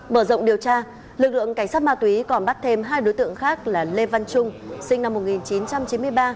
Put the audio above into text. mở rộng điều tra lực lượng cảnh sát ma túy còn bắt thêm hai đối tượng khác là lê văn trung sinh năm một nghìn chín trăm chín mươi ba